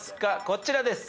こちらです。